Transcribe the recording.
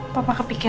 pada saat itu